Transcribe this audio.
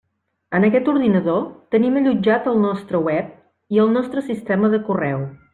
En aquest ordinador tenim allotjat el nostre web i el nostre sistema de correu.